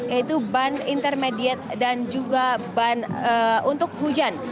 yaitu ban intermediate dan juga ban untuk hujan